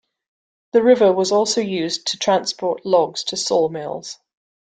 The river was also used to transport logs to sawmills.